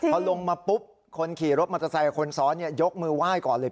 พอลงมาปุ๊บคนขี่รถมอเตอร์ไซค์คนซ้อนยกมือไหว้ก่อนเลย